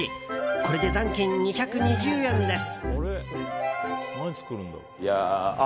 これで残金２２０円です。